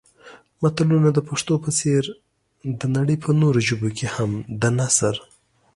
متلونه د پښتو په څېر د نړۍ په نورو ژبو کې هم د نثر